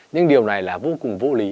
nhưng điều này là vô cùng vô lý